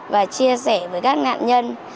và chia sẻ với các nạn nhân